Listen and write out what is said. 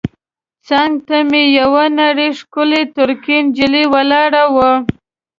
څنګ ته مې یوه نرۍ ښکلې ترکۍ نجلۍ ولاړه وه.